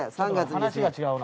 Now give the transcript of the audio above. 話が違うな。